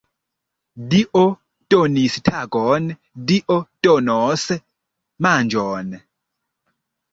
Dio donis tagon, Dio donos manĝon.